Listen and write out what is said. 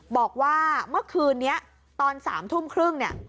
บอกว่าเมื่อคืนนี้ตอน๓ทุ่มครึ่งเนี่ย